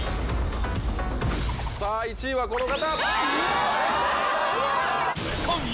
さぁ１位はこの方。